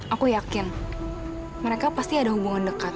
aku yakin mereka pasti ada hubungan dekat